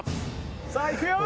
さあいくよ！